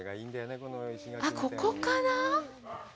あっ、ここかな？